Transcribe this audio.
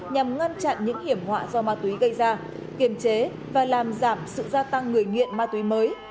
nhằm ngăn chặn những hiểm họa do ma túy gây ra kiềm chế và làm giảm sự gia tăng người nghiện ma túy mới